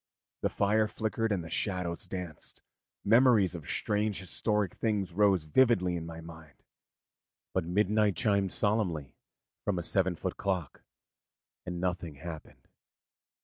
The fire flickered and the shadows danced, memories of strange historic things rose vividly in my mind; but midnight chimed solemnly from a seven foot clock, and nothing happened.